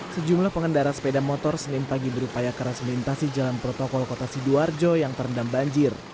sejumlah pengendara sepeda motor senin pagi berupaya keras melintasi jalan protokol kota sidoarjo yang terendam banjir